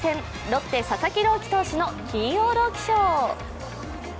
ロッテ・佐々木朗希投手の金曜ロウキショー。